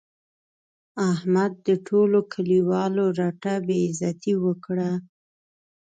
احمد د ټولو کلیوالو رټه بې عزتي وکړه.